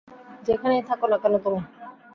যেখানেই থাকো না কেন তুমি!